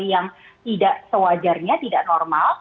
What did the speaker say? yang tidak sewajarnya tidak normal